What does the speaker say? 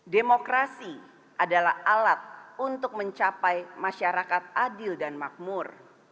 demokrasi adalah alat untuk mencapai masyarakat adil dan makmur